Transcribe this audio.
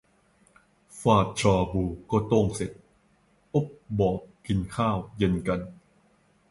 ฟาดชาบูก็โต้งเสร็จ โอ๊บบอกกินข้าวเย็นกัน